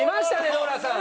ノラさん。